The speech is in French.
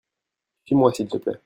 suis-moi s'il te plait .